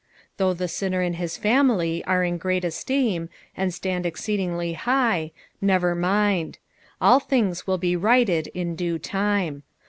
^' Though the sinner and his family are in great esteem, and stand exceedingly hi^, never roind ; all things will he righted in due time.